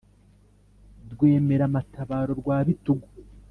rwemera-matabaro rwa bitugu